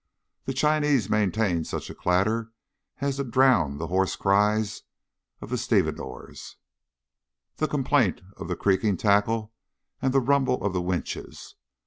The Chinese maintain such a clatter as to drown the hoarse cries of the stevedores, the complaint of the creaking tackle, and the rumble of the winches.